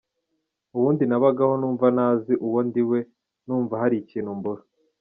Ubundi nabagaho numva ntazi uwo ndiwe, numva hari ikintu mbura.